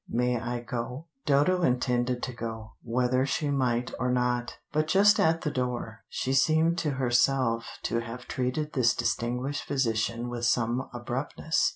May I go?" Dodo intended to go, whether she might or not, but just at the door, she seemed to herself to have treated this distinguished physician with some abruptness.